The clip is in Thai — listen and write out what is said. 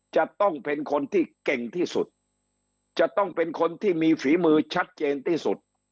จะต้องเป็นคนที่เก่งที่สุดจะต้องเป็นคนที่มีฝีมือชัดเจนที่สุด